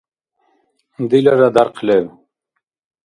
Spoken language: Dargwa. – Дилара дярхъ леб…